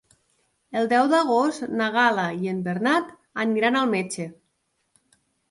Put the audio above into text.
El deu d'agost na Gal·la i en Bernat aniran al metge.